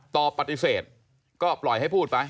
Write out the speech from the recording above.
ปฏิเสธก็ปล่อยให้พูดไป